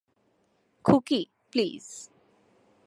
Khuki, please.